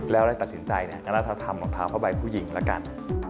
แล้วเลยตัดสินใจก็น่าจะทำรองเท้าผ้าใบผู้หญิงละกัน